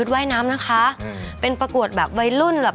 ว่ายน้ำนะคะอืมเป็นประกวดแบบวัยรุ่นแบบ